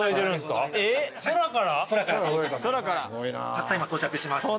たった今到着しました。